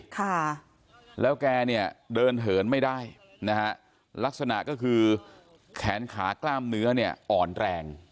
ค่ะแล้วแกเนี่ยเดินเหินไม่ได้นะฮะลักษณะก็คือแขนขากล้ามเนื้อเนี่ยอ่อนแรง